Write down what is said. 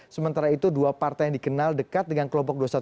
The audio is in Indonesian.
sementara itu dua partai yang dikenal dekat dengan kelompok dua ratus dua belas